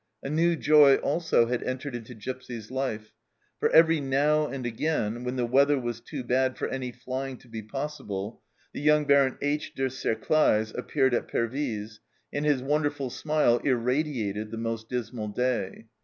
A new joy also had entered into Gipsy's life, for every now and again, when the weather was too bad for any flying to be possible, 252 THE CELLAR HOUSE OF PERVYSE the young Baron H. de T'Serclaes appeared at Pervyse, and his wonderful smile irradiated the most dismal day.